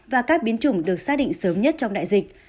và các biến chủng được xác định sớm nhất trong đại dịch